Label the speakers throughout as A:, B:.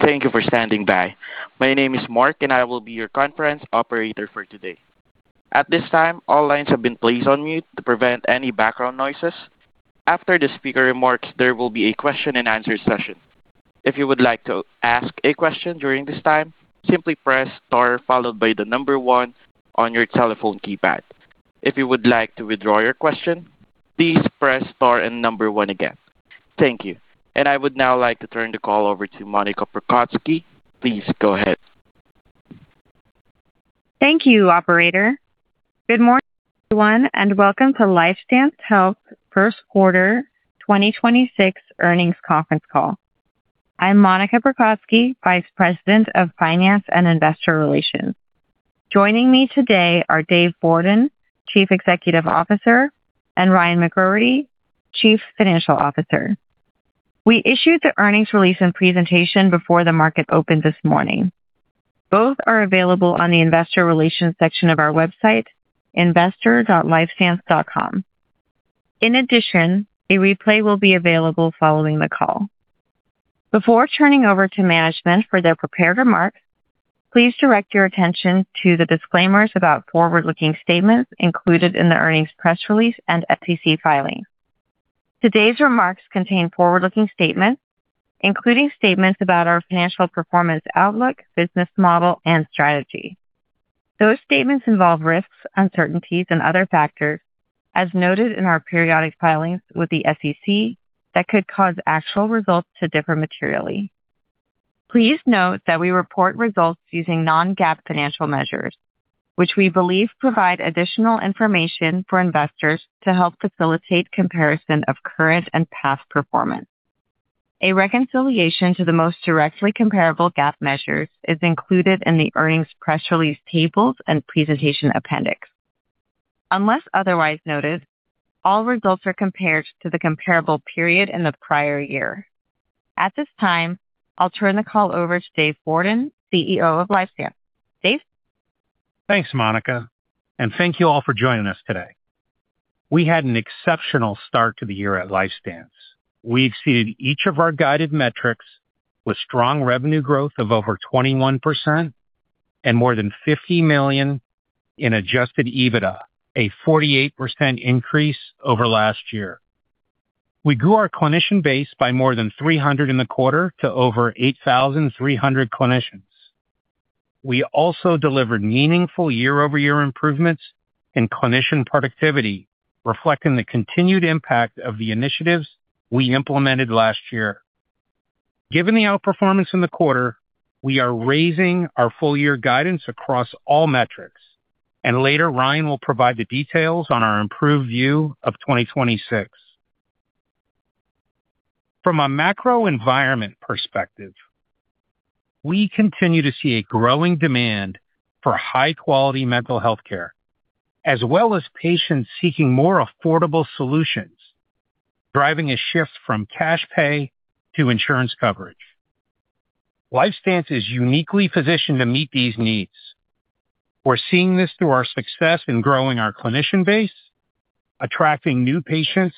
A: Hello, thank you for standing by. My name is Mark, and I will be your conference operator for today. At this time, all lines have been placed on mute to prevent any background noises. After the speaker remarks, there will be a question-and-answer session. If you would like to ask a question during this time, simply press star followed by one on your telephone keypad. If you would like to withdraw your question, please press star and one again. Thank you. I would now like to turn the call over to Monica Prokocki. Please go ahead.
B: Thank you, operator. Good morning, everyone, and welcome to LifeStance Health first quarter 2026 earnings conference call. I'm Monica Prokocki, Vice President of Finance and Investor Relations. Joining me today are Dave Bourdon, Chief Executive Officer, and Ryan McGroarty, Chief Financial Officer. We issued the earnings release and presentation before the market opened this morning. Both are available on the investor relations section of our website, investor.lifestance.com. In addition, a replay will be available following the call. Before turning over to management for their prepared remarks, please direct your attention to the disclaimers about forward-looking statements included in the earnings press release and SEC filing. Today's remarks contain forward-looking statements, including statements about our financial performance outlook, business model, and strategy. Those statements involve risks, uncertainties and other factors, as noted in our periodic filings with the SEC that could cause actual results to differ materially. Please note that we report results using non-GAAP financial measures, which we believe provide additional information for investors to help facilitate comparison of current and past performance. A reconciliation to the most directly comparable GAAP measures is included in the earnings press release tables and presentation appendix. Unless otherwise noted, all results are compared to the comparable period in the prior year. At this time, I'll turn the call over to Dave Bourdon, CEO of LifeStance. Dave.
C: Thanks, Monica, and thank you all for joining us today. We had an exceptional start to the year at LifeStance. We've seeded each of our guided metrics with strong revenue growth of over 21% and more than $50 million in adjusted EBITDA, a 48% increase over last year. We grew our clinician base by more than 300 in the quarter to over 8,300 clinicians. We also delivered meaningful year-over-year improvements in clinician productivity, reflecting the continued impact of the initiatives we implemented last year. Given the outperformance in the quarter, we are raising our full year guidance across all metrics, and later, Ryan will provide the details on our improved view of 2026. From a macro environment perspective, we continue to see a growing demand for high-quality mental health care, as well as patients seeking more affordable solutions, driving a shift from cash pay to insurance coverage. LifeStance is uniquely positioned to meet these needs. We're seeing this through our success in growing our clinician base, attracting new patients,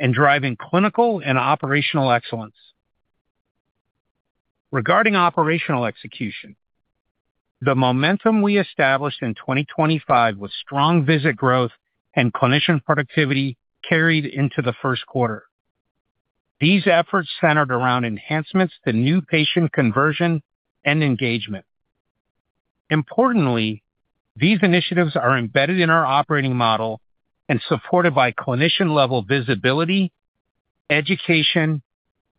C: and driving clinical and operational excellence. Regarding operational execution, the momentum we established in 2025 with strong visit growth and clinician productivity carried into the first quarter. These efforts centered around enhancements to new patient conversion and engagement. Importantly, these initiatives are embedded in our operating model and supported by clinician-level visibility, education,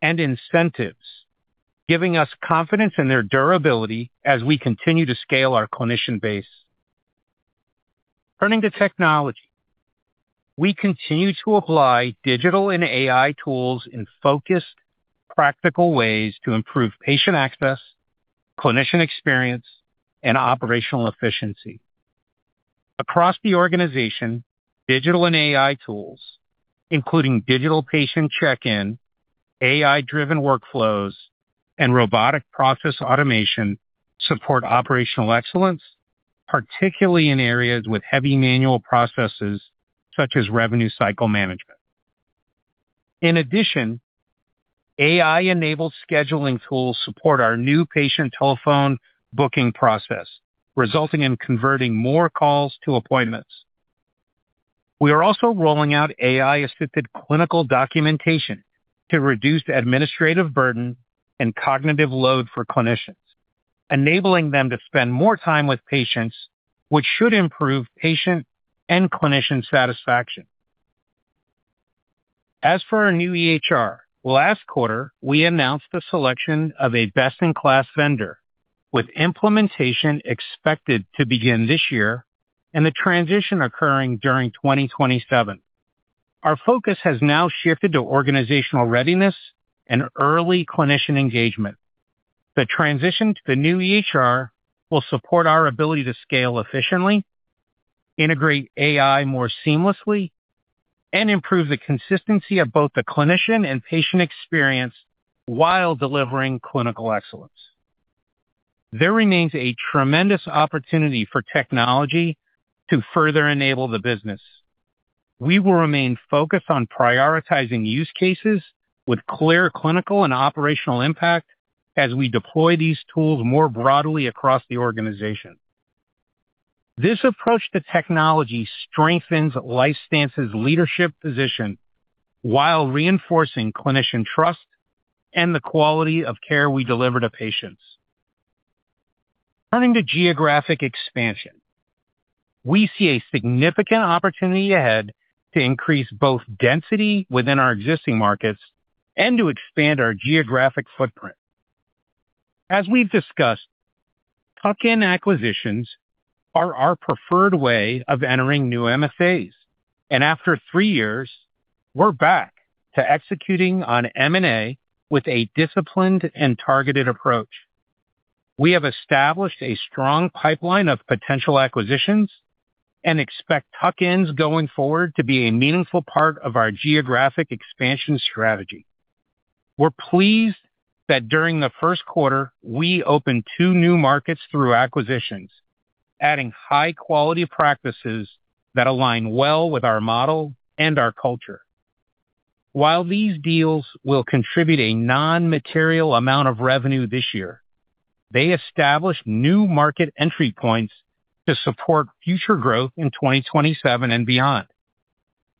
C: and incentives, giving us confidence in their durability as we continue to scale our clinician base. Turning to technology, we continue to apply digital and AI tools in focused, practical ways to improve patient access, clinician experience, and operational efficiency. Across the organization, digital and AI tools, including digital patient check-in, AI-driven workflows, and robotic process automation, support operational excellence, particularly in areas with heavy manual processes such as revenue cycle management. In addition, AI-enabled scheduling tools support our new patient telephone booking process, resulting in converting more calls to appointments. We are also rolling out AI-assisted clinical documentation to reduce administrative burden and cognitive load for clinicians, enabling them to spend more time with patients, which should improve patient and clinician satisfaction. As for our new EHR, last quarter, we announced the selection of a best-in-class vendor, with implementation expected to begin this year and the transition occurring during 2027. Our focus has now shifted to organizational readiness and early clinician engagement. The transition to the new EHR will support our ability to scale efficiently, integrate AI more seamlessly, and improve the consistency of both the clinician and patient experience while delivering clinical excellence. There remains a tremendous opportunity for technology to further enable the business. We will remain focused on prioritizing use cases with clear clinical and operational impact as we deploy these tools more broadly across the organization. This approach to technology strengthens LifeStance's leadership position while reinforcing clinician trust and the quality of care we deliver to patients. Turning to geographic expansion. We see a significant opportunity ahead to increase both density within our existing markets and to expand our geographic footprint. As we've discussed, tuck-in acquisitions are our preferred way of entering new MSAs. After three years, we're back to executing on M&A with a disciplined and targeted approach. We have established a strong pipeline of potential acquisitions and expect tuck-ins going forward to be a meaningful part of our geographic expansion strategy. We're pleased that during the first quarter, we opened two new markets through acquisitions, adding high-quality practices that align well with our model and our culture. While these deals will contribute a non-material amount of revenue this year, they establish new market entry points to support future growth in 2027 and beyond.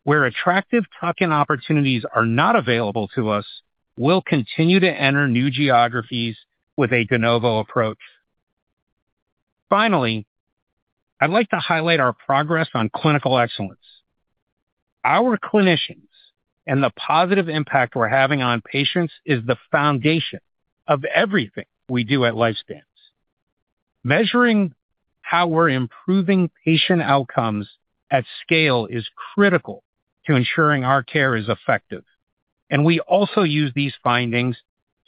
C: Where attractive tuck-in opportunities are not available to us, we'll continue to enter new geographies with a de novo approach. Finally, I'd like to highlight our progress on clinical excellence. Our clinicians and the positive impact we're having on patients is the foundation of everything we do at LifeStance. Measuring how we're improving patient outcomes at scale is critical to ensuring our care is effective, and we also use these findings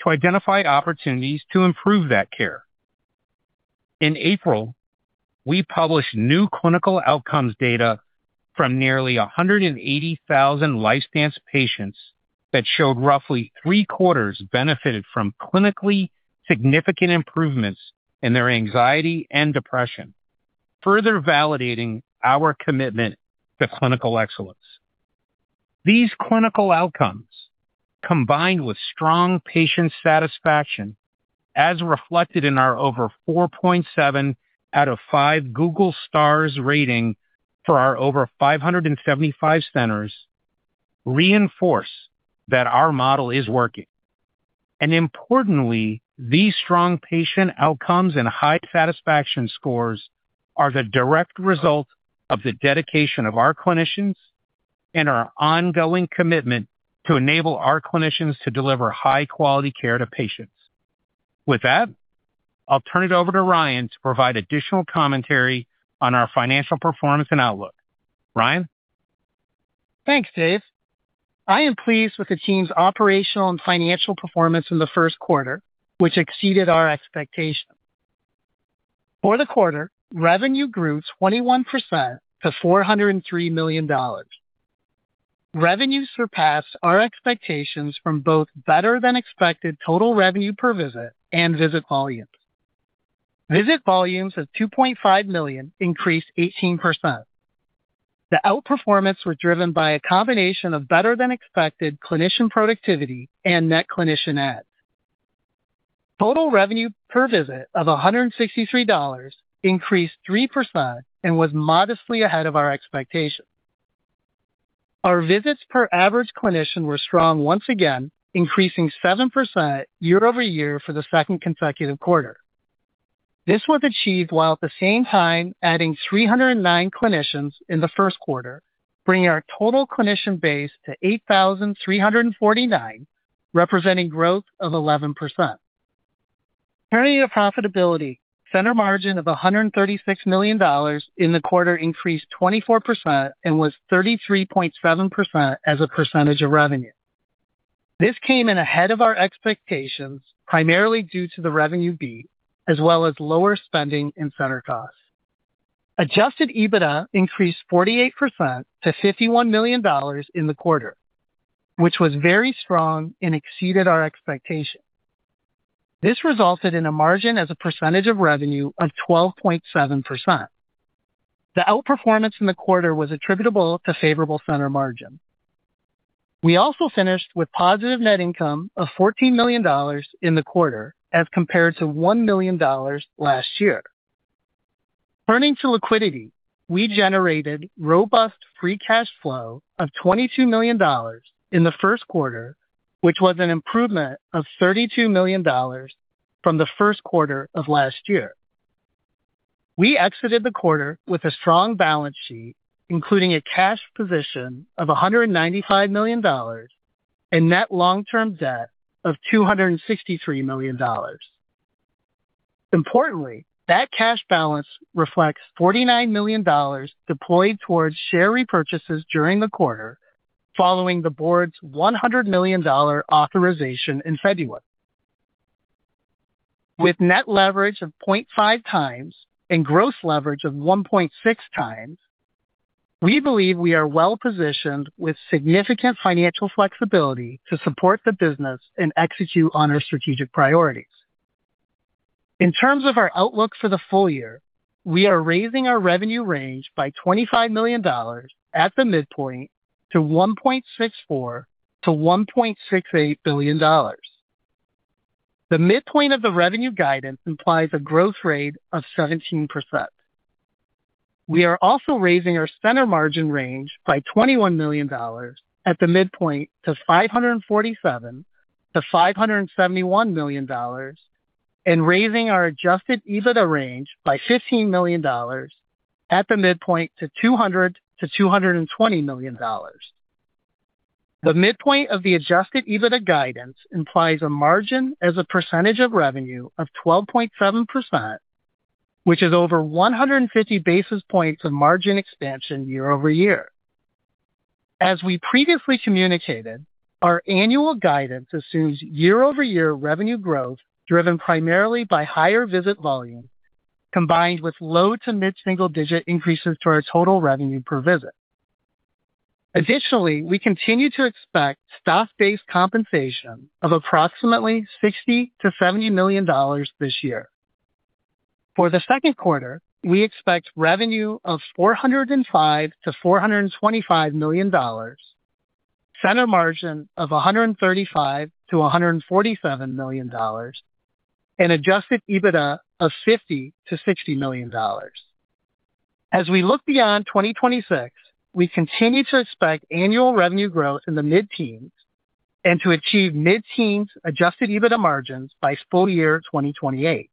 C: to identify opportunities to improve that care. In April, we published new clinical outcomes data from nearly 180,000 LifeStance patients that showed roughly three-quarters benefited from clinically significant improvements in their anxiety and depression, further validating our commitment to clinical excellence. These clinical outcomes, combined with strong patient satisfaction, as reflected in our over 4.7 out of five Google stars rating for our over 575 centers, reinforce that our model is working. Importantly, these strong patient outcomes and high satisfaction scores are the direct result of the dedication of our clinicians and our ongoing commitment to enable our clinicians to deliver high-quality care to patients. With that, I'll turn it over to Ryan to provide additional commentary on our financial performance and outlook. Ryan?
D: Thanks, Dave. I am pleased with the team's operational and financial performance in the first quarter, which exceeded our expectations. For the quarter, revenue grew 21% to $403 million. Revenues surpassed our expectations from both better than expected total revenue per visit and visit volumes. Visit volumes of 2.5 million increased 18%. The outperformance was driven by a combination of better than expected clinician productivity and net clinician adds. Total revenue per visit of $163 increased 3% and was modestly ahead of our expectations. Our visits per average clinician were strong once again, increasing 7% year-over-year for the second consecutive quarter. This was achieved while at the same time adding 309 clinicians in the first quarter, bringing our total clinician base to 8,349, representing growth of 11%. Turning to profitability, center margin of $136 million in the quarter increased 24% and was 33.7% as a percentage of revenue. This came in ahead of our expectations, primarily due to the revenue beat as well as lower spending in center costs. Adjusted EBITDA increased 48% to $51 million in the quarter, which was very strong and exceeded our expectations. This resulted in a margin as a percentage of revenue of 12.7%. The outperformance in the quarter was attributable to favorable center margin. We also finished with positive net income of $14 million in the quarter as compared to $1 million last year. Turning to liquidity, we generated robust free cash flow of $22 million in the first quarter, which was an improvement of $32 million from the first quarter of last year. We exited the quarter with a strong balance sheet, including a cash position of $195 million and net long-term debt of $263 million. Importantly, that cash balance reflects $49 million deployed towards share repurchases during the quarter following the Board's $100 million authorization in February. Net leverage of 0.5x and gross leverage of 1.6x. We believe we are well-positioned with significant financial flexibility to support the business and execute on our strategic priorities. In terms of our outlook for the full year, we are raising our revenue range by $25 million at the midpoint to $1.64 billion-$1.68 billion. The midpoint of the revenue guidance implies a growth rate of 17%. We are also raising our center margin range by $21 million at the midpoint to $547 million-$571 million and raising our adjusted EBITDA range by $15 million at the midpoint to $200 million-$220 million. The midpoint of the adjusted EBITDA guidance implies a margin as a percentage of revenue of 12.7%, which is over one hundred and fifty basis points of margin expansion year-over-year. As we previously communicated, our annual guidance assumes year-over-year revenue growth driven primarily by higher visit volume, combined with low to mid-single-digit increases to our total revenue per visit. Additionally, we continue to expect stock-based compensation of approximately $60 million-$70 million this year. For the second quarter, we expect revenue of $405 million-$425 million, center margin of $135 million-$147 million, and adjusted EBITDA of $50 million-$60 million. As we look beyond 2026, we continue to expect annual revenue growth in the mid-teens and to achieve mid-teens adjusted EBITDA margins by full year 2028.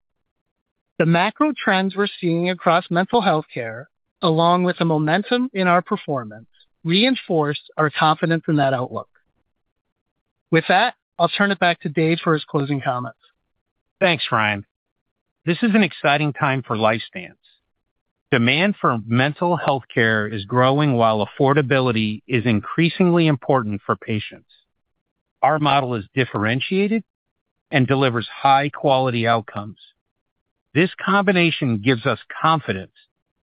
D: The macro trends we're seeing across mental health care, along with the momentum in our performance, reinforce our confidence in that outlook. With that, I'll turn it back to Dave for his closing comments.
C: Thanks, Ryan. This is an exciting time for LifeStance. Demand for mental health care is growing while affordability is increasingly important for patients. Our model is differentiated and delivers high-quality outcomes. This combination gives us confidence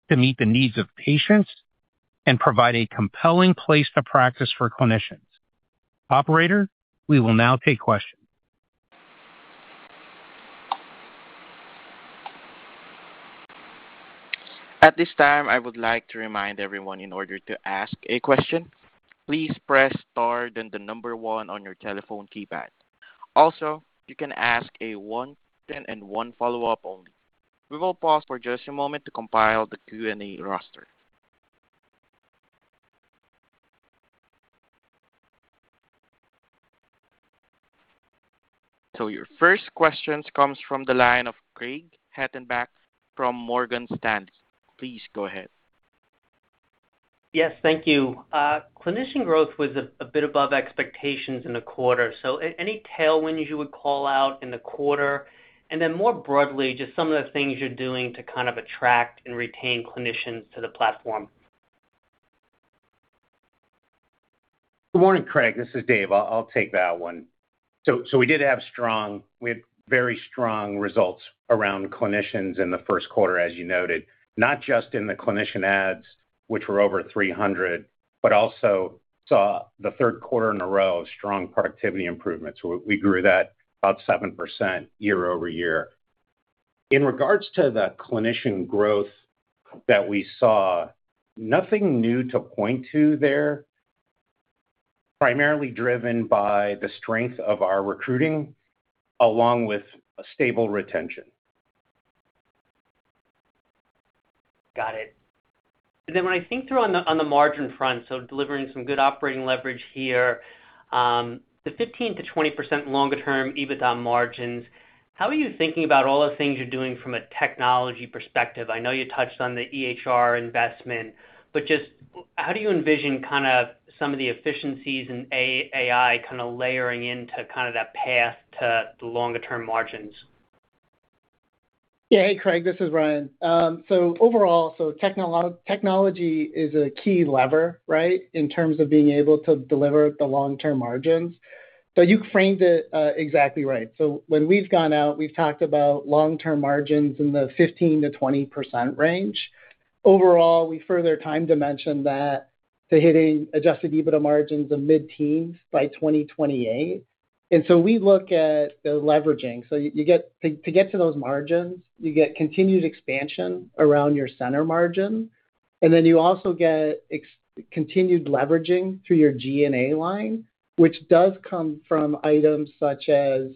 C: to meet the needs of patients and provide a compelling place to practice for clinicians. Operator, we will now take questions.
A: At this time, I would like to remind everyone in order to ask a question, please press star, then the number one on your telephone keypad. Also, you can ask a one and one follow-up only. We will pause for just a moment to compile the Q&A roster. Your first questions comes from the line of Craig Hettenbach from Morgan Stanley. Please go ahead.
E: Yes, thank you. Clinician growth was a bit above expectations in the quarter. Any tailwinds you would call out in the quarter? More broadly, just some of the things you're doing to kind of attract and retain clinicians to the platform.
C: Good morning, Craig. This is Dave. I'll take that one. We had very strong results around clinicians in the first quarter, as you noted. Not just in the clinician adds, which were over 300, but also saw the third quarter in a row of strong productivity improvements. We grew that about 7% year-over-year. In regards to the clinician growth that we saw, nothing new to point to there. Primarily driven by the strength of our recruiting, along with a stable retention.
E: Got it. Then when I think through on the margin front, so delivering some good operating leverage here, the 15%-20% longer term EBITDA margins, how are you thinking about all the things you're doing from a technology perspective? I know you touched on the EHR investment, but just how do you envision kinda some of the efficiencies in AI kinda layering into kinda that path to the longer term margins?
D: Yeah. Hey, Craig. This is Ryan. Overall, technology is a key lever, right? In terms of being able to deliver the long-term margins. You framed it exactly right. When we've gone out, we've talked about long-term margins in the 15%-20% range. Overall, we further time dimension that to hitting adjusted EBITDA margins of mid-teens by 2028. We look at the leveraging. You get to get to those margins, you get continued expansion around your center margin, and then you also get continued leveraging through your G&A line, which does come from items such as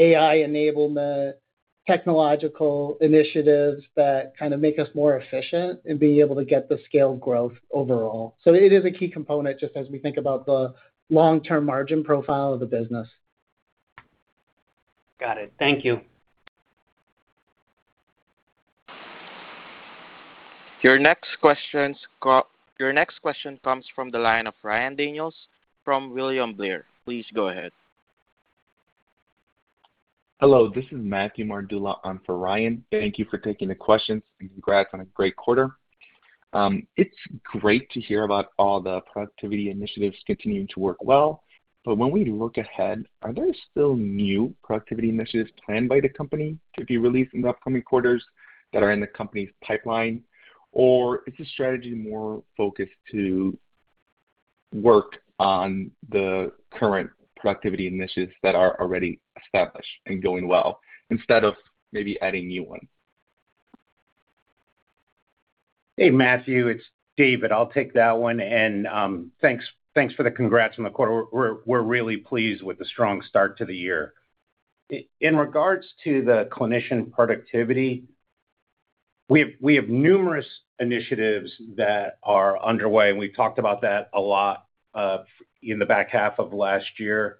D: AI enablement, technological initiatives that kinda make us more efficient in being able to get the scale growth overall. It is a key component just as we think about the long-term margin profile of the business.
E: Got it. Thank you.
A: Your next question comes from the line of Ryan Daniels from William Blair. Please go ahead.
F: Hello, this is Matthew Mardula. I'm for Ryan. Thank you for taking the questions, and congrats on a great quarter. It's great to hear about all the productivity initiatives continuing to work well. When we look ahead, are there still new productivity initiatives planned by the company to be released in the upcoming quarters that are in the company's pipeline, or is the strategy more focused to work on the current productivity initiatives that are already established and going well instead of maybe adding new ones.
C: Hey, Matthew, it's Dave. I'll take that one, thanks for the congrats on the quarter. We're really pleased with the strong start to the year. In regards to the clinician productivity, we have numerous initiatives that are underway, and we've talked about that a lot in the back half of last year.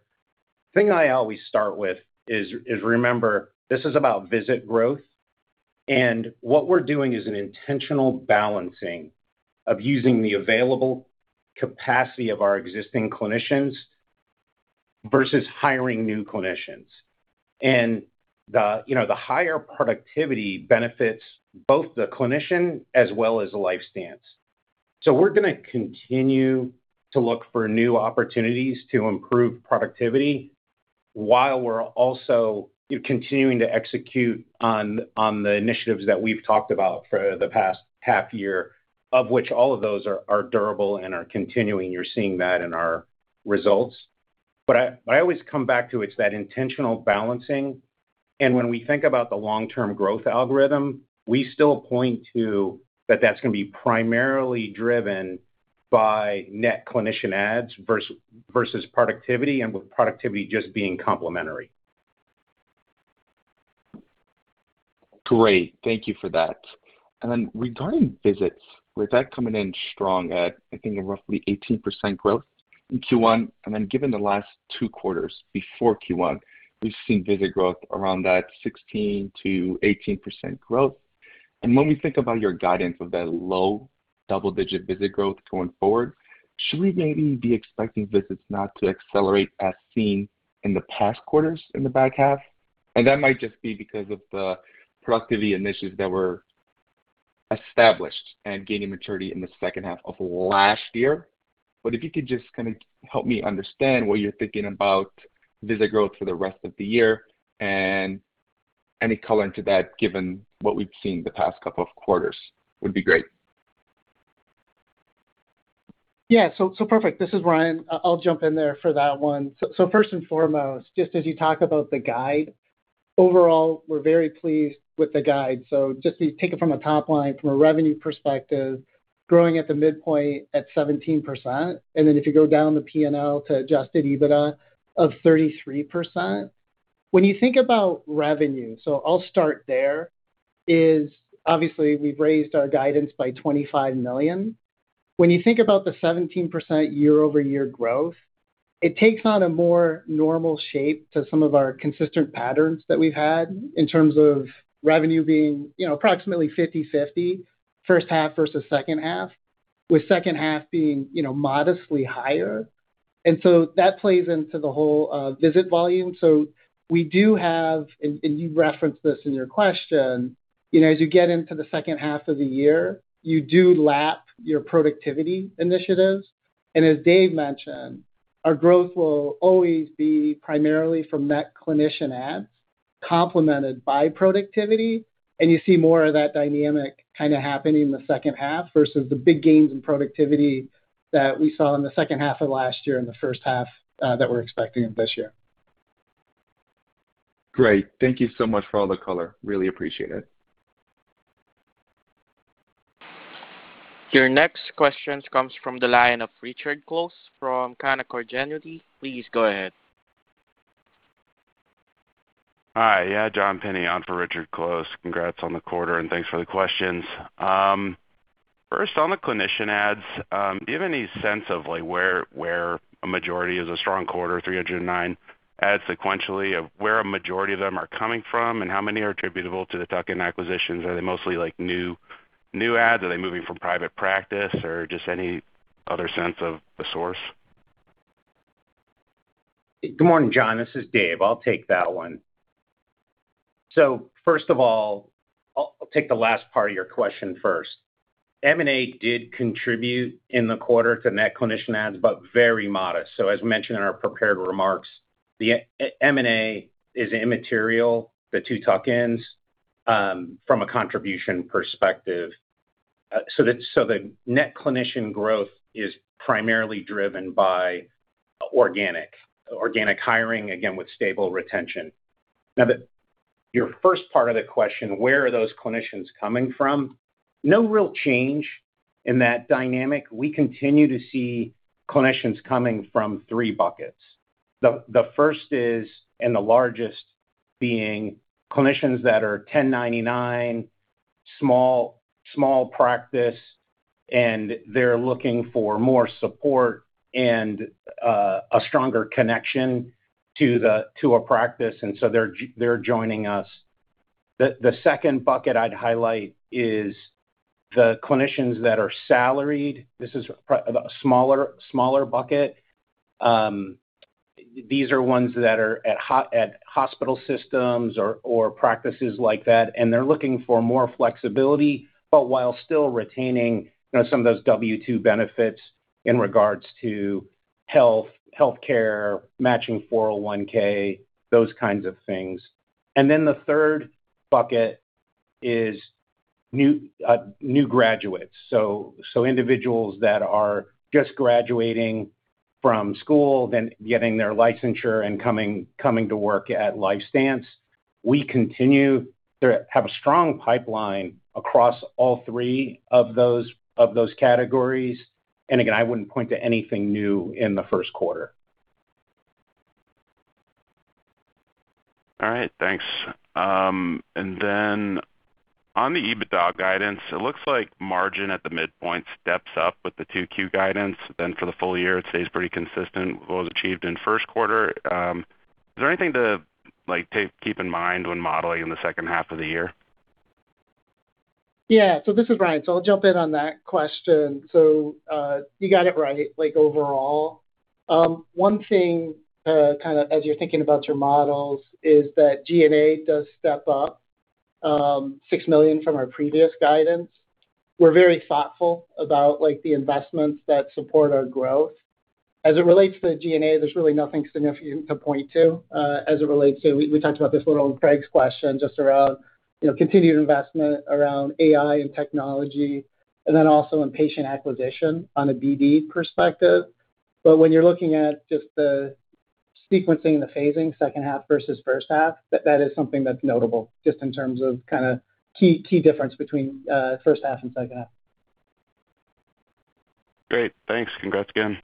C: The thing I always start with is remember, this is about visit growth, and what we're doing is an intentional balancing of using the available capacity of our existing clinicians versus hiring new clinicians. The, you know, the higher productivity benefits both the clinician as well as the LifeStance. We're gonna continue to look for new opportunities to improve productivity while we're also continuing to execute on the initiatives that we've talked about for the past half year, of which all of those are durable and are continuing. You're seeing that in our results. I always come back to it's that intentional balancing, and when we think about the long-term growth algorithm, we still point to that that's gonna be primarily driven by net clinician adds versus productivity, and with productivity just being complementary.
F: Great. Thank you for that. Regarding visits, with that coming in strong at, I think roughly 18% growth in Q1, and then given the last two quarters before Q1, we've seen visit growth around that 16%-18% growth. When we think about your guidance of that low double-digit visit growth going forward, should we maybe be expecting visits not to accelerate as seen in the past quarters in the back half? That might just be because of the productivity initiatives that were established and gaining maturity in the second half of last year. If you could just kinda help me understand what you're thinking about visit growth for the rest of the year and any color into that given what we've seen the past couple of quarters would be great.
D: Yeah, perfect. This is Ryan. I'll jump in there for that one. First and foremost, just as you talk about the guide, overall, we're very pleased with the guide. Just if you take it from a top line, from a revenue perspective, growing at the midpoint at 17%, and then if you go down the P&L to adjusted EBITDA of 33%. When you think about revenue, I'll start there, is obviously we've raised our guidance by $25 million. When you think about the 17% year-over-year growth, it takes on a more normal shape to some of our consistent patterns that we've had in terms of revenue being, you know, approximately 50/50 first half versus second half, with second half being, you know, modestly higher. That plays into the whole visit volume. We do have, and you referenced this in your question, you know, as you get into the second half of the year, you do lap your productivity initiatives. As Dave mentioned, our growth will always be primarily from net clinician adds complemented by productivity. You see more of that dynamic kinda happening in the second half versus the big gains in productivity that we saw in the second half of last year and the first half that we're expecting this year.
F: Great. Thank you so much for all the color. Really appreciate it.
A: Your next question comes from the line of Richard Close from Canaccord Genuity. Please go ahead.
G: Hi. Yeah, John Pinney on for Richard Close. Congrats on the quarter, and thanks for the questions. First, on the clinician adds, do you have any sense of like where a majority is a strong quarter, 309 adds sequentially, of where a majority of them are coming from and how many are attributable to the tuck-in acquisitions? Are they mostly like new adds? Are they moving from private practice or just any other sense of the source?
C: Good morning, John. This is Dave. I'll take that one. First of all, I'll take the last part of your question first. M&A did contribute in the quarter to net clinician adds, but very modest. As mentioned in our prepared remarks, the M&A is immaterial, the two tuck-ins, from a contribution perspective. The net clinician growth is primarily driven by organic hiring, again, with stable retention. Your first part of the question, where are those clinicians coming from? No real change in that dynamic. We continue to see clinicians coming from three buckets. The first is, and the largest being clinicians that are 1099, small practice, and they're looking for more support and a stronger connection to a practice, and so they're joining us. The second bucket I'd highlight is the clinicians that are salaried. This is a smaller bucket. These are ones that are at hospital systems or practices like that, and they're looking for more flexibility, but while still retaining, you know, some of those W-2 benefits in regards to health, healthcare, matching 401(k), those kinds of things. The third bucket is new graduates. Individuals that are just graduating from school, then getting their licensure and coming to work at LifeStance. We continue to have a strong pipeline across all three of those categories. Again, I wouldn't point to anything new in the first quarter.
G: All right, thanks. On the EBITDA guidance, it looks like margin at the midpoint steps up with the 2Q guidance. For the full year, it stays pretty consistent with what was achieved in first quarter. Is there anything to, like, keep in mind when modeling in the second half of the year?
D: Yeah. This is Ryan. I'll jump in on that question. You got it right, like, overall. One thing to kinda, as you're thinking about your models, is that G&A does step up, $6 million from our previous guidance. We're very thoughtful about, like, the investments that support our growth. As it relates to the G&A, there's really nothing significant to point to, as it relates to. We talked about this a little in Craig's question just around, you know, continued investment around AI and technology, and then also in patient acquisition on a BD perspective. When you're looking at just the sequencing and the phasing, second half versus first half, that is something that's notable just in terms of kinda key difference between first half and second half.
G: Great. Thanks. Congrats again.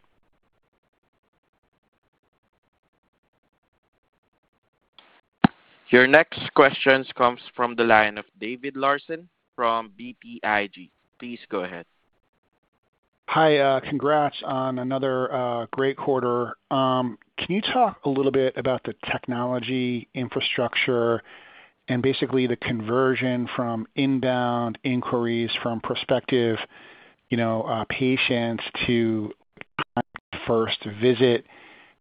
A: Your next questions comes from the line of David Larsen from BTIG. Please go ahead.
H: Hi. Congrats on another great quarter. Can you talk a little bit about the technology infrastructure and basically the conversion from inbound inquiries from prospective, you know, patients to first visit?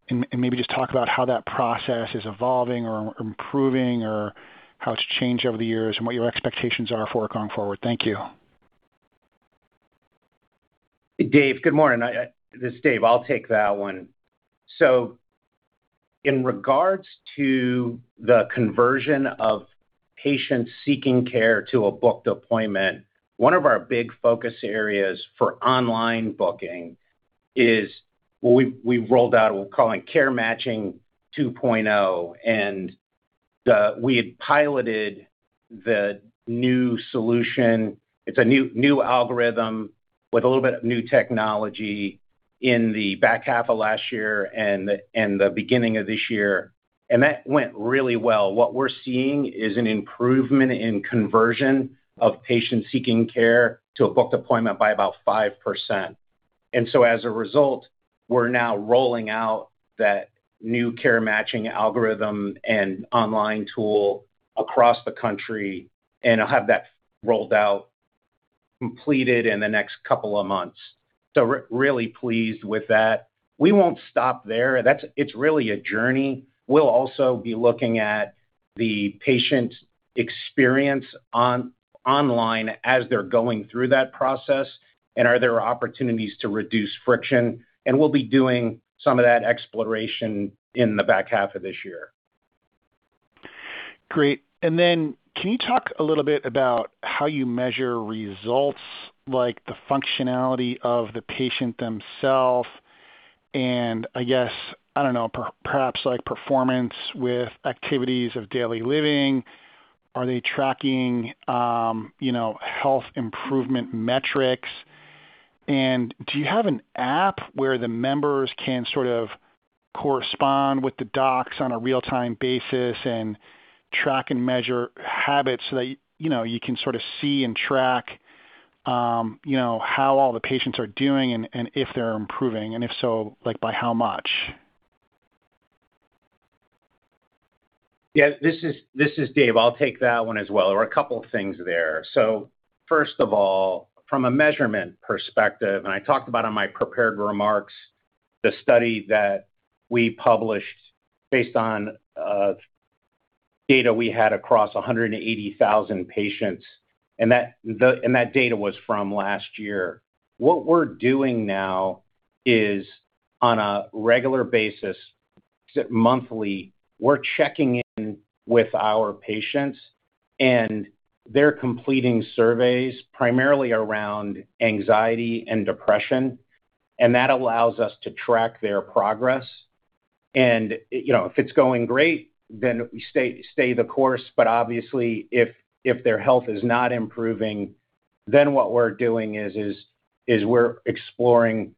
H: Maybe just talk about how that process is evolving or improving or how it's changed over the years and what your expectations are for it going forward. Thank you.
C: Dave, good morning. This is Dave. I'll take that one. In regards to the conversion of patients seeking care to a booked appointment, one of our big focus areas for online booking is what we've rolled out, we're calling Care Matching 2.0. We had piloted the new solution. It's a new algorithm with a little bit of new technology in the back half of last year and the beginning of this year. That went really well. What we're seeing is an improvement in conversion of patients seeking care to a booked appointment by about 5%. As a result, we're now rolling out that new care matching algorithm and online tool across the country, and I'll have that rolled out completed in the next couple of months. Really pleased with that. We won't stop there. It's really a journey. We'll also be looking at the patient experience online as they're going through that process, and are there opportunities to reduce friction. We'll be doing some of that exploration in the back half of this year.
H: Great. Can you talk a little bit about how you measure results, like the functionality of the patient themself, and I guess, I don't know, perhaps like performance with activities of daily living? Are they tracking, you know, health improvement metrics? Do you have an app where the members can sort of correspond with the docs on a real-time basis and track and measure habits so that, you know, you can sorta see and track, you know, how all the patients are doing and if they're improving, and if so, like, by how much?
C: Yeah. This is Dave. I'll take that one as well. There are a couple of things there. First of all, from a measurement perspective, and I talked about in my prepared remarks, the study that we published based on data we had across 180,000 patients, and that data was from last year. What we're doing now is, on a regular basis, monthly, we're checking in with our patients, and they're completing surveys primarily around anxiety and depression, and that allows us to track their progress. You know, if it's going great, then we stay the course. Obviously, if their health is not improving, then what we're doing is we're exploring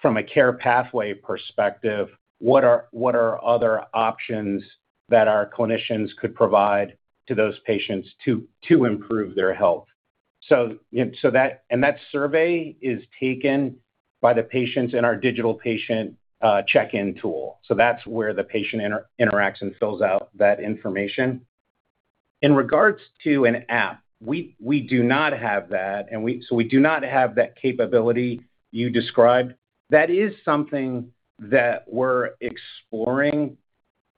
C: from a care pathway perspective, what are other options that our clinicians could provide to those patients to improve their health. That survey is taken by the patients in our digital patient check-in tool. That's where the patient interacts and fills out that information. In regards to an app, we do not have that capability you described. That is something that we're exploring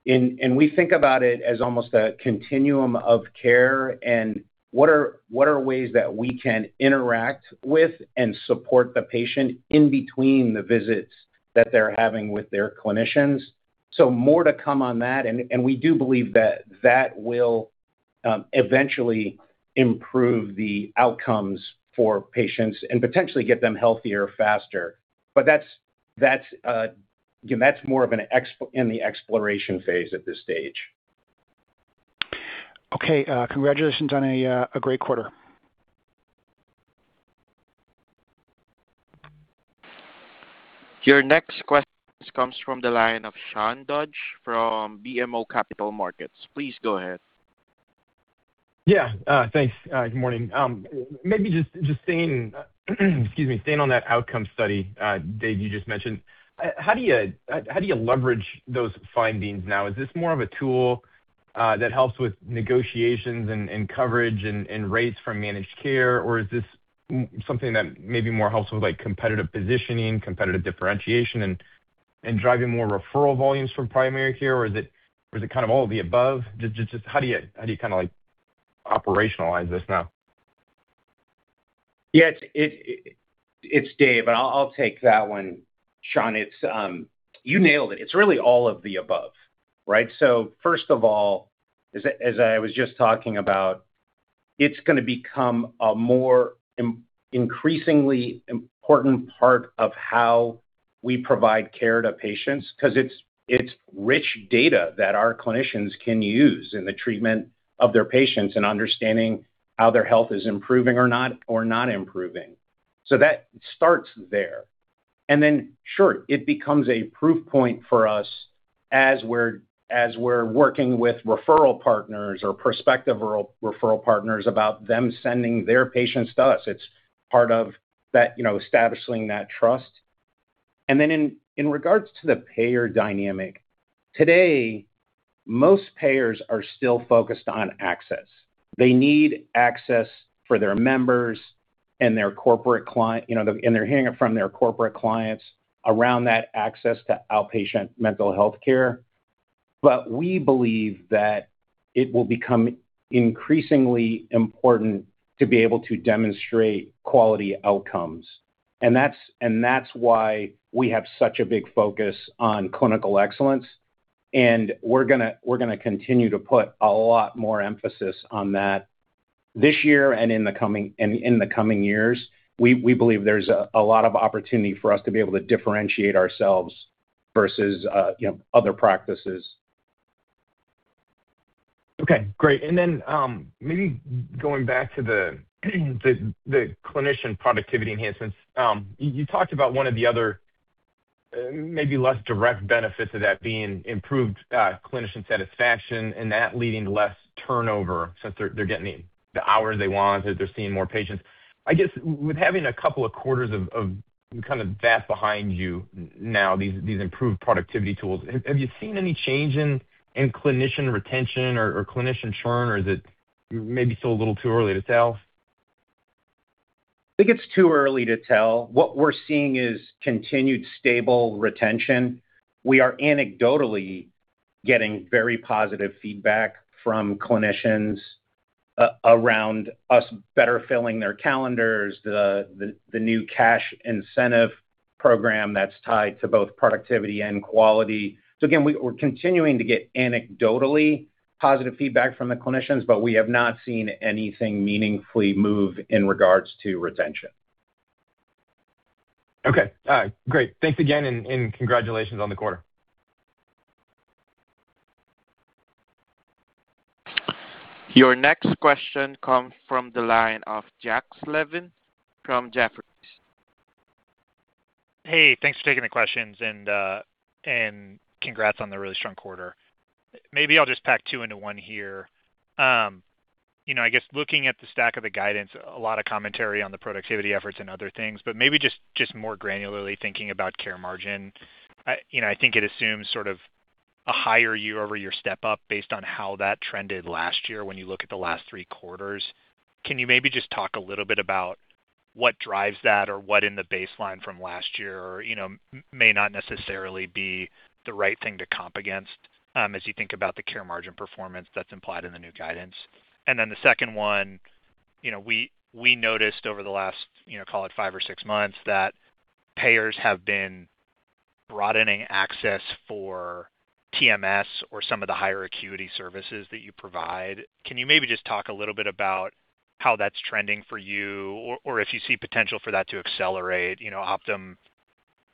C: and we think about it as almost a continuum of care and what are ways that we can interact with and support the patient in between the visits that they're having with their clinicians. More to come on that. We do believe that will eventually improve the outcomes for patients and potentially get them healthier faster. That's, you know, that's more of an in the exploration phase at this stage.
H: Okay. Congratulations on a great quarter.
A: Your next question comes from the line of Sean Dodge from BMO Capital Markets. Please go ahead.
I: Yeah. Thanks. Good morning. Maybe just staying, excuse me, staying on that outcome study, Dave, you just mentioned. How do you, how do you leverage those findings now? Is this more of a tool that helps with negotiations and coverage and rates from managed care? Is this something that maybe more helps with like competitive positioning, competitive differentiation and driving more referral volumes from primary care? Is it kind of all of the above? Just how do you, how do you kinda like operationalize this now?
C: Yeah. It's Dave, and I'll take that one, Sean. You nailed it. It's really all of the above, right? First of all, as I was just talking about, it's gonna become a more increasingly important part of how we provide care to patients, 'cause it's rich data that our clinicians can use in the treatment of their patients and understanding how their health is improving or not improving. That starts there. Sure, it becomes a proof point for us as we're working with referral partners or prospective referral partners about them sending their patients to us. It's part of that, you know, establishing that trust. In regards to the payer dynamic, today, most payers are still focused on access. They need access for their members and their corporate client, you know, and they're hearing it from their corporate clients around that access to outpatient mental health care. We believe that it will become increasingly important to be able to demonstrate quality outcomes, and that's why we have such a big focus on clinical excellence. We're gonna continue to put a lot more emphasis on that this year and in the coming years. We believe there's a lot of opportunity for us to be able to differentiate ourselves versus, you know, other practices.
I: Okay, great. Maybe going back to the clinician productivity enhancements. You talked about one of the other maybe less direct benefits of that being improved clinician satisfaction and that leading to less turnover since they're getting the hours they want, they're seeing more patients. I guess with having a couple of quarters of kind of that behind you now, these improved productivity tools, have you seen any change in clinician retention or clinician churn? Is it maybe still a little too early to tell?
C: I think it's too early to tell. What we're seeing is continued stable retention. We are anecdotally getting very positive feedback from clinicians around us better filling their calendars, the new cash incentive program that's tied to both productivity and quality. Again, we're continuing to get anecdotally positive feedback from the clinicians, but we have not seen anything meaningfully move in regards to retention.
I: Okay. Great. Thanks again, and congratulations on the quarter.
A: Your next question comes from the line of Jack Slevin from Jefferies.
J: Hey, thanks for taking the questions, and congrats on the really strong quarter. Maybe I'll just pack two into one here. you know, I guess looking at the stack of the guidance, a lot of commentary on the productivity efforts and other things, but maybe just more granularly thinking about care margin. I, you know, I think it assumes sort of a higher year-over-year step-up based on how that trended last year when you look at the last three quarters. Can you maybe just talk a little bit about what drives that or what in the baseline from last year or, you know, may not necessarily be the right thing to comp against, as you think about the care margin performance that's implied in the new guidance? The second one, you know, we noticed over the last, you know, call it five or six months, that payers have been broadening access for TMS or some of the higher acuity services that you provide. Can you maybe just talk a little bit about how that's trending for you or if you see potential for that to accelerate? You know, Optum,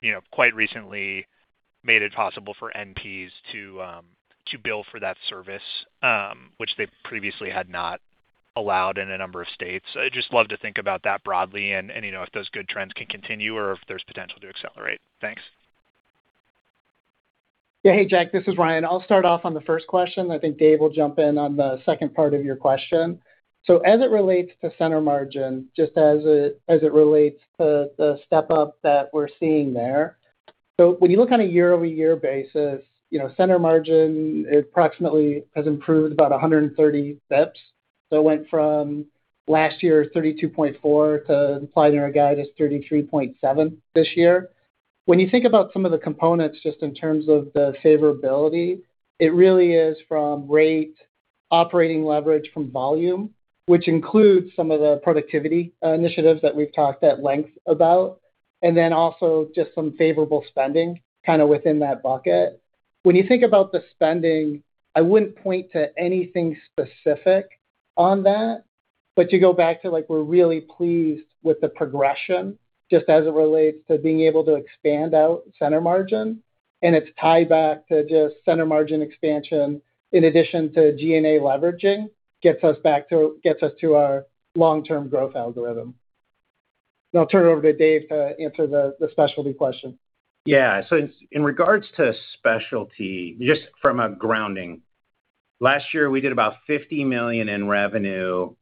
J: you know, quite recently made it possible for NPs to bill for that service, which they previously had not allowed in a number of states. I'd just love to think about that broadly and, you know, if those good trends can continue or if there's potential to accelerate. Thanks.
D: Yeah. Hey, Jack, this is Ryan. I'll start off on the first question. I think Dave will jump in on the second part of your question. As it relates to center margin, just as it relates to the step-up that we're seeing there. When you look on a year-over-year basis, you know, center margin approximately has improved about 130 basis points. It went from last year's 32.4 basis points to implied in our guide is 33.7 basis points this year. When you think about some of the components, just in terms of the favorability, it really is from rate, operating leverage from volume, which includes some of the productivity initiatives that we've talked at length about, and then also just some favorable spending kind of within that bucket. When you think about the spending, I wouldn't point to anything specific on that, but to go back to, like, we're really pleased with the progression, just as it relates to being able to expand out center margin, and it's tied back to just center margin expansion in addition to G&A leveraging gets us to our long-term growth algorithm. I'll turn it over to Dave to answer the specialty question.
C: Yeah. In regards to specialty, just from a grounding, last year we did about $50 million in revenue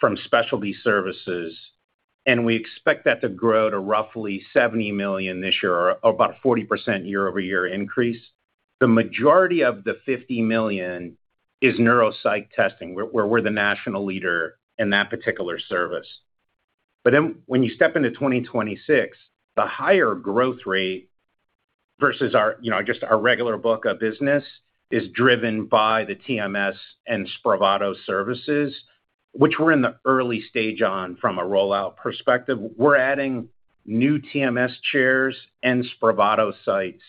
C: from specialty services, and we expect that to grow to roughly $70 million this year, or about a 40% year-over-year increase. The majority of the $50 million is neuropsych testing, where we're the national leader in that particular service. When you step into 2026, the higher growth rate versus our, you know, just our regular book of business is driven by the TMS and Spravato services, which we're in the early stage on from a rollout perspective. We're adding new TMS chairs and Spravato sites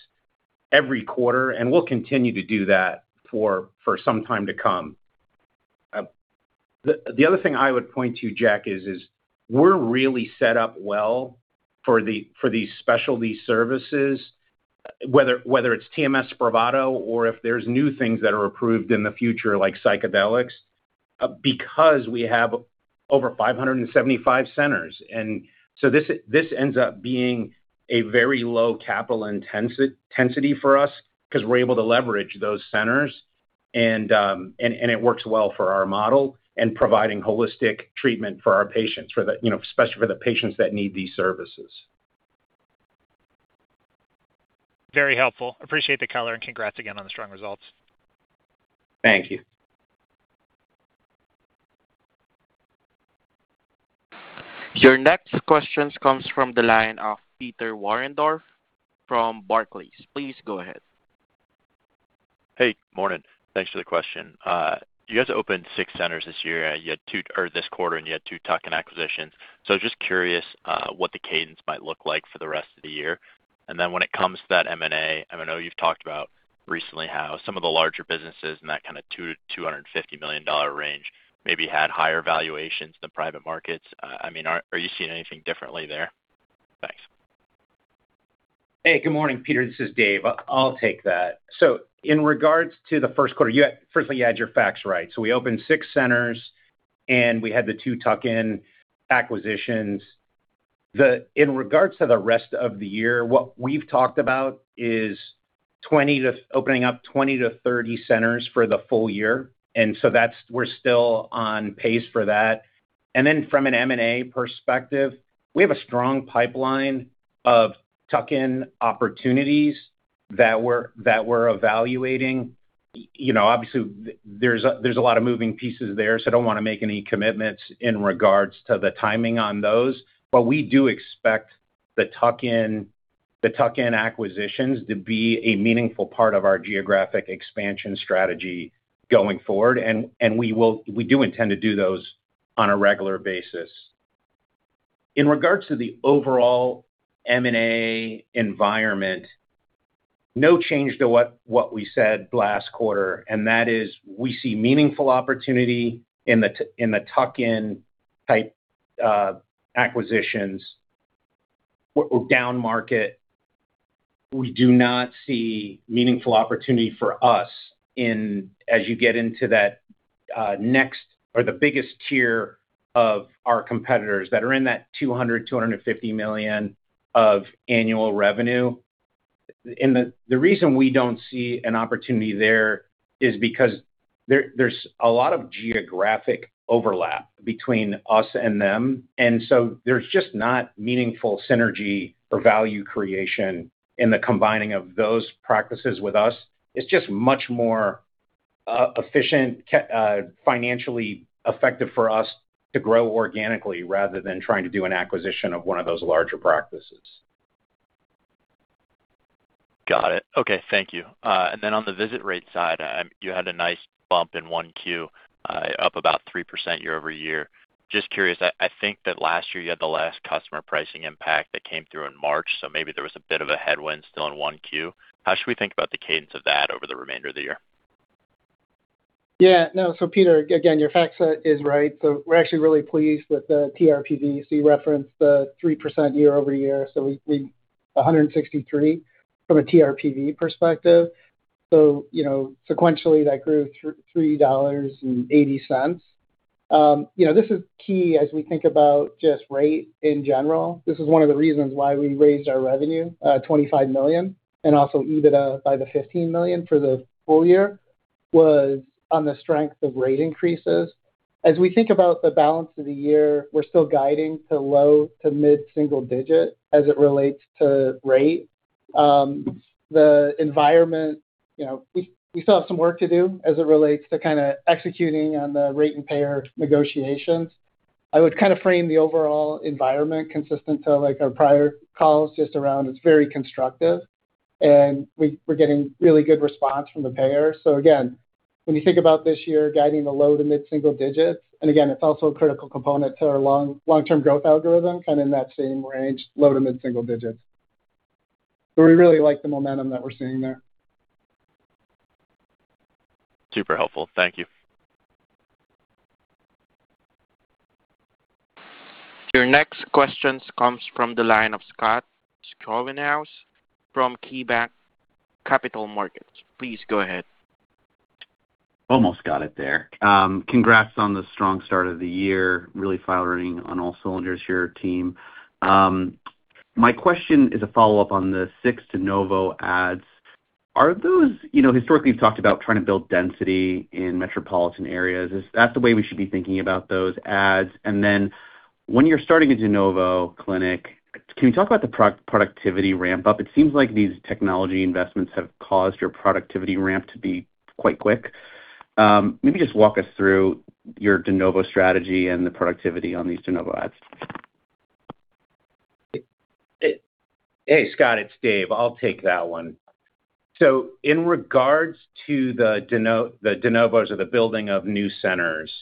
C: every quarter, and we'll continue to do that for some time to come. The other thing I would point to, Jack, is we're really set up well for these specialty services, whether it's TMS, Spravato, or if there's new things that are approved in the future like psychedelics, because we have over 575 centers. This ends up being a very low capital intensity for us because we're able to leverage those centers and it works well for our model in providing holistic treatment for our patients for the, you know, especially for the patients that need these services.
J: Very helpful. Appreciate the color, and congrats again on the strong results.
C: Thank you.
A: Your next questions comes from the line of Peter Warendorf from Barclays. Please go ahead.
K: Hey. Morning. Thanks for the question. You guys opened six centers this year and you had two or this quarter, and you had two tuck-in acquisitions. I was just curious, what the cadence might look like for the rest of the year. When it comes to that M&A, I know you've talked about recently how some of the larger businesses in that kind of $2 million-$250 million range maybe had higher valuations than private markets. I mean, are you seeing anything differently there? Thanks.
C: Hey, good morning, Peter. This is Dave. I'll take that. In regards to the first quarter, firstly, you had your facts right. We opened six centers, and we had the two tuck-in acquisitions. In regards to the rest of the year, what we've talked about is opening up 20-30 centers for the full year, and we're still on pace for that. From an M&A perspective, we have a strong pipeline of tuck-in opportunities that we're evaluating. You know, obviously there's a lot of moving pieces there, so I don't want to make any commitments in regards to the timing on those. We do expect the tuck-in acquisitions to be a meaningful part of our geographic expansion strategy going forward, and we do intend to do those on a regular basis. In regards to the overall M&A environment, no change to what we said last quarter, and that is we see meaningful opportunity in the tuck-in type acquisitions with downmarket. We do not see meaningful opportunity for us as you get into that next or the biggest tier of our competitors that are in that $200 million, $250 million of annual revenue. The reason we don't see an opportunity there is because there's a lot of geographic overlap between us and them, and so there's just not meaningful synergy or value creation in the combining of those practices with us. It's just much more efficient, financially effective for us to grow organically rather than trying to do an acquisition of one of those larger practices.
K: Got it. Okay. Thank you. On the visit rate side, you had a nice bump in 1Q, up about 3% year-over-year. Just curious, I think that last year you had the last customer pricing impact that came through in March, so maybe there was a bit of a headwind still in 1Q. How should we think about the cadence of that over the remainder of the year?
D: Yeah. No. Peter, again, your fact set is right. We're actually really pleased with the TRPV. You referenced the 3% year-over-year, so we $163 from a TRPV perspective. You know, sequentially, that grew $3.80. You know, this is key as we think about just rate in general. This is one of the reasons why we raised our revenue $25 million and also EBITDA by $15 million for the full year was on the strength of rate increases. As we think about the balance of the year, we're still guiding to low to mid-single digit as it relates to rate. The environment, you know, we still have some work to do as it relates to kinda executing on the rate and payer negotiations. I would kind of frame the overall environment consistent to, like, our prior calls just around it's very constructive. We're getting really good response from the payer. Again, when you think about this year guiding the low to mid-single digits, and again, it's also a critical component to our long-term growth algorithm, kind of in that same range, low to mid-single digits. We really like the momentum that we're seeing there.
K: Super helpful. Thank you.
A: Your next question comes from the line of Scott Schoenhaus from KeyBanc Capital Markets. Please go ahead.
L: Almost got it there. Congrats on the strong start of the year. Really firing on all cylinders, your team. My question is a follow-up on the six de novo ads. Are those you know, historically, you've talked about trying to build density in metropolitan areas. Is that the way we should be thinking about those ads? When you're starting a de novo clinic, can you talk about the pro-productivity ramp up? It seems like these technology investments have caused your productivity ramp to be quite quick. Maybe just walk us through your de novo strategy and the productivity on these de novo ads.
D: It-it-
C: Hey, Scott, it's Dave. I'll take that one. In regards to the de novos or the building of new centers,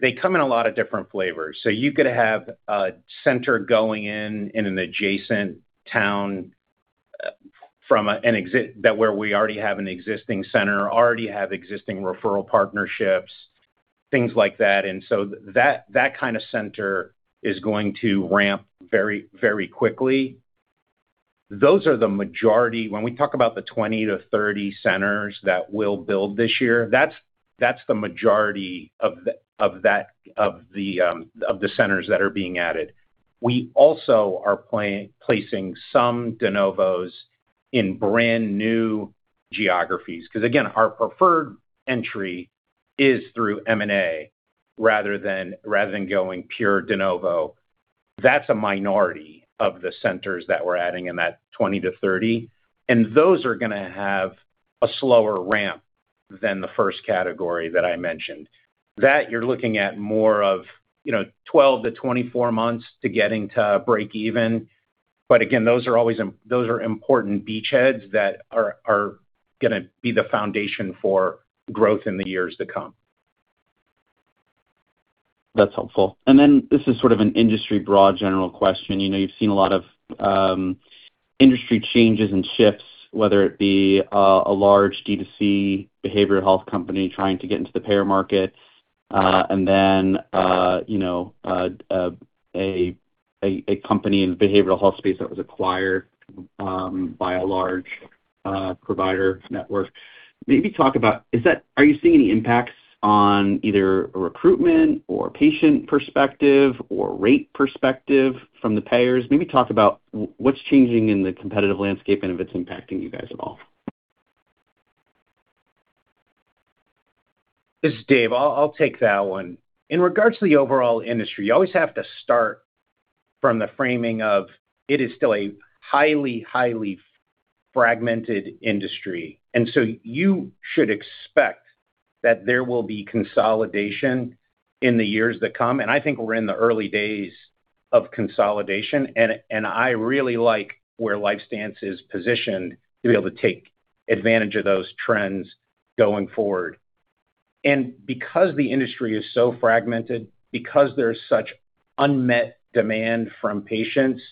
C: they come in a lot of different flavors. You could have a center going in in an adjacent town from a that where we already have an existing center or already have existing referral partnerships, things like that. That kind of center is going to ramp very, very quickly. Those are the majority. When we talk about the 20-30 centers that we'll build this year, that's the majority of the centers that are being added. We also are placing some de novos in brand new geographies, 'cause again, our preferred entry is through M&A rather than going pure de novo. That's a minority of the centers that we're adding in that 20-30, and those are gonna have a slower ramp than the first category that I mentioned. That you're looking at more of, you know, 12-24 months to getting to break even. again, those are always important beachheads that are gonna be the foundation for growth in the years to come.
L: That's helpful. This is sort of an industry broad general question. You know, you've seen a lot of industry changes and shifts, whether it be a large D2C behavioral health company trying to get into the payer market, you know, a company in the behavioral health space that was acquired by a large provider network. Maybe talk about, are you seeing any impacts on either recruitment or patient perspective or rate perspective from the payers? Maybe talk about what's changing in the competitive landscape and if it's impacting you guys at all.
C: This is Dave. I'll take that one. In regards to the overall industry, you always have to start from the framing of it is still a highly fragmented industry. You should expect that there will be consolidation in the years to come. I think we're in the early days of consolidation, and I really like where LifeStance is positioned to be able to take advantage of those trends going forward. Because the industry is so fragmented, because there's such unmet demand from patients,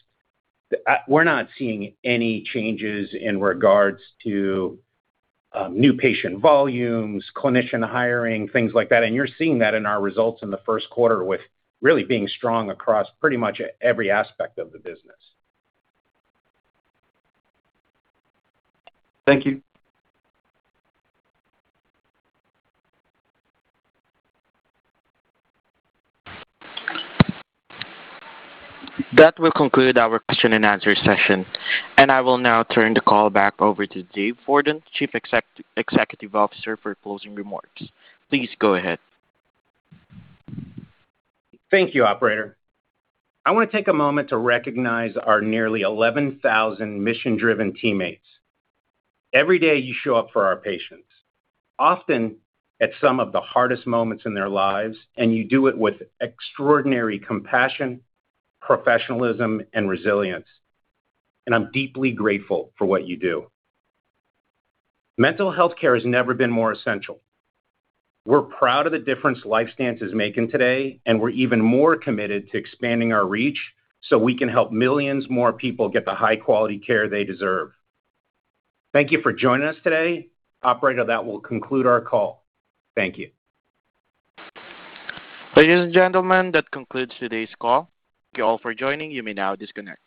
C: we're not seeing any changes in regards to new patient volumes, clinician hiring, things like that. You're seeing that in our results in the first quarter with really being strong across pretty much every aspect of the business.
L: Thank you.
A: That will conclude our question-and-answer session, and I will now turn the call back over to Dave Bourdon, Chief Executive Officer for closing remarks. Please go ahead.
C: Thank you, Operator. I wanna take a moment to recognize our nearly 11,000 mission-driven teammates. Every day you show up for our patients, often at some of the hardest moments in their lives, and you do it with extraordinary compassion, professionalism, and resilience. I'm deeply grateful for what you do. Mental health care has never been more essential. We're proud of the difference LifeStance is making today, and we're even more committed to expanding our reach so we can help millions more people get the high-quality care they deserve. Thank you for joining us today. Operator, that will conclude our call. Thank you.
A: Ladies and gentlemen, that concludes today's call. Thank you all for joining. You may now disconnect.